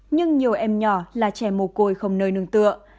nhưng nhiều em nhỏ là trẻ mồ côi không nơi nương tựa